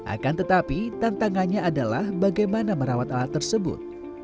akan tetapi tantangannya adalah bagaimana merawat alat tersebut